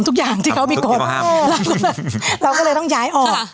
ทุกอย่างที่เขามีกฎเราก็เลยต้องย้ายออก